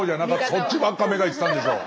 そっちばっかり目が行ってたんでしょう。